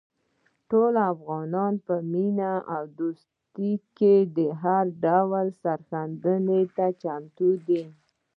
ټول افغانان په مینه او دوستۍ کې هر ډول سرښندنې ته چمتو دي.